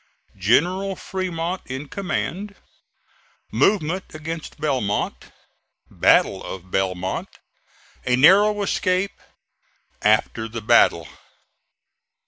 GENERAL FREMONT IN COMMAND MOVEMENT AGAINST BELMONT BATTLE OF BELMONT A NARROW ESCAPE AFTER THE BATTLE.